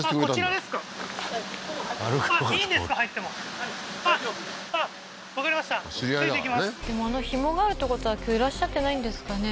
でもあのひもがあるってことは今日いらっしゃってないんですかね？